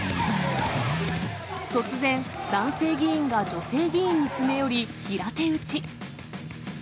突然、男性議員が女性議員に詰め寄り平手打ち。